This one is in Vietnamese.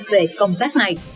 về công tác này